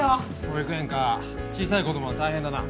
保育園か小さい子どもは大変だな。